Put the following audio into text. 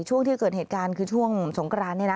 ช่วงที่เกิดเหตุการณ์คือช่วงสงกราน